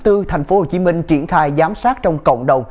tp hcm triển khai giám sát trong cộng đồng